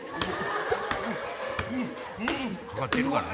かかってるからな。